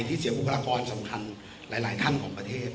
ที่เสียงบุปรากรณ์สำคัญทั้งของประเทศ